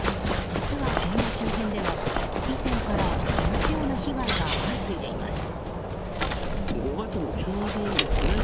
実は現場周辺では以前から同じような被害が相次いでいます。